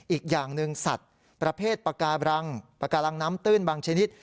อีกอย่างหนึ่งสัตว์ประเภทปากการังปากการังน้ำตื้นบางชนิด